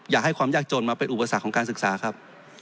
อย่าให้ความยากจนมาเป็นอุปสรรคของการศึกษาครับ